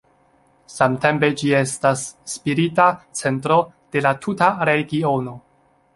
Samtempe ĝi estas spirita centro de la tuta regiono.